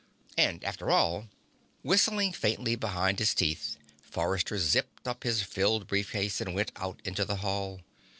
And after all ... Whistling faintly behind his teeth, Forrester zipped up his filled briefcase and went out into the hall.